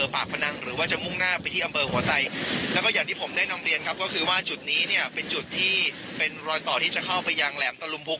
เป็นรอยต่อที่จะเข้าไปยังแหลมตะลุมพุก